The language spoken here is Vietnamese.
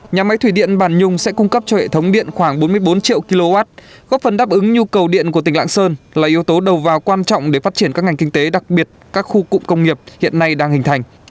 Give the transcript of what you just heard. nhà máy thủy điện bản nhung sẽ cung cấp cho hệ thống điện khoảng bốn mươi bốn triệu kw góp phần đáp ứng nhu cầu điện của tỉnh lạng sơn là yếu tố đầu vào quan trọng để phát triển các ngành kinh tế đặc biệt các khu cụm công nghiệp hiện nay đang hình thành